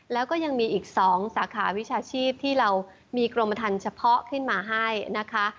แล้วก็ยังมีอีก๒สาขาวิชาชีพที่เรามีกรมทันเฉพาะขึ้นมาให้นะคะ